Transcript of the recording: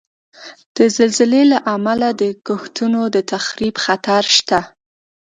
د زلزلې له امله د کښتونو د تخریب خطر شته.